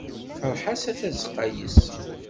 Ferḥ-as a tazeqqa yes-s.